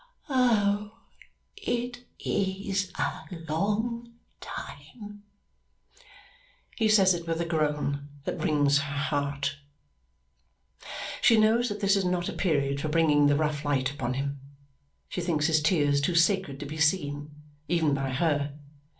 Oh, it is a long time!" He says it with a groan that wrings her heart. She knows that this is not a period for bringing the rough light upon him; she thinks his tears too sacred to be seen, even by her.